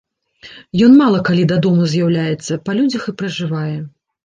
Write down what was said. Ён мала калі дадому з'яўляецца, па людзях і пражывае.